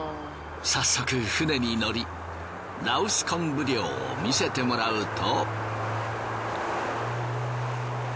早速船に乗り羅臼昆布漁を見せてもらうと。